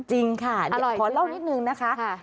จริงค่ะขอเล่านิดนึงนะคะ